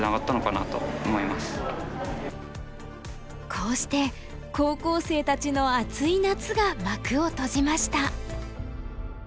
こうして高校生たちの熱い夏が幕を閉じました。